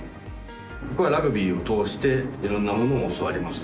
僕はラグビーを通していろんなものを教わりました。